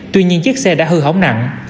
tuy nhiên chiếc xe đã hư hóng nặng